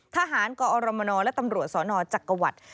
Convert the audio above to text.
ทหารกอรมนและตำรวจสนจักรวรรดิ